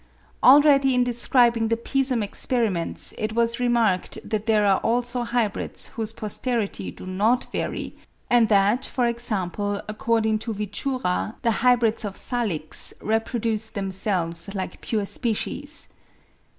Already in describing the Pisum experiments it was remarked that there are also hybrids whose posterity do not vary, and that, for example, according to Wichura the hybrids of Salix reproduce themselves like pure species.